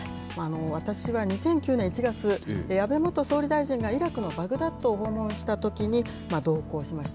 私は２００９年１月、安倍元総理大臣がイラクのバグダッドを訪問したときに同行しました。